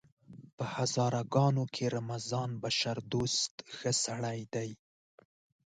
په هزاره ګانو کې رمضان بشردوست ښه سړی دی!